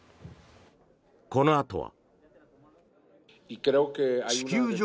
このあとは。